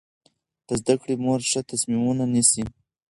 د زده کړې مور ښه تصمیمونه نیسي.